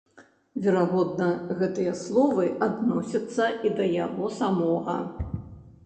Верагодна, гэтыя словы адносяцца і да яго самога.